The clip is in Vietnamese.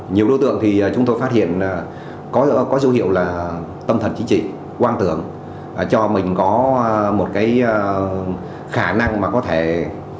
nhiều đối tượng thì chúng tôi phát hiện có dấu hiệu là tâm thần chính trị quang tưởng cho mình có một cái khả năng mà có thể